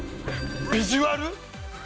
『ビジュアル』？